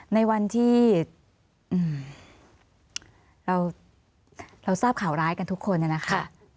ในวันที่เราทราบข่าวร้ายกันทุกคนเนี่ยนะคะ